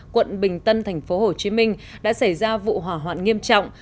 quận bình tân tp hcm đã xảy ra vụ hỏa hoạn nghiêm trọng